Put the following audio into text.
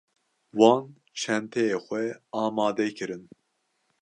Wan çenteyê xwe amade kirin.